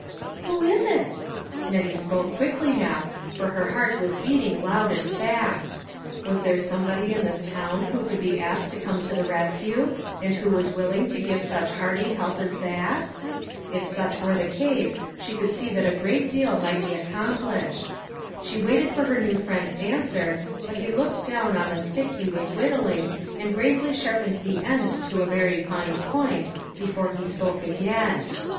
"Who is it?" Nettie spoke quickly now, for her heart was beating loud and fast. Was there some body in this town who could be asked to come to the rescue, and who was willing to give such hearty help as that ? If such were the case, she could see that a great deal might be accom plished. She waited for her new friend's answer, but he looked down on the stick he was whit tling and gravely sharpened the end to a very fine point, before he spoke again.